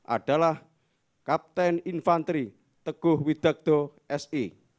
adalah kapten infantri teguh widakto si